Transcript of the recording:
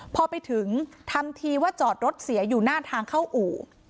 พอไปถึงทำทีว่าจอดรถเสียอยู่หน้าทางเข้าอู่